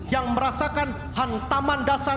yang merasakan hantaman dasar